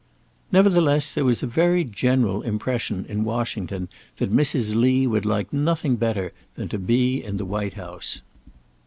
Nevertheless, there was a very general impression in Washington that Mrs. Lee would like nothing better than to be in the White House.